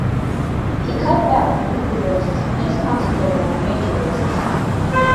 He cut back on weekly races and just concentrated on major races.